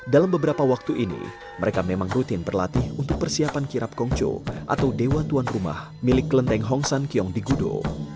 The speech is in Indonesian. dalam beberapa waktu ini mereka memang rutin berlatih untuk persiapan kirap kongco atau dewa tuan rumah milik kelenteng hong san kiong di gudo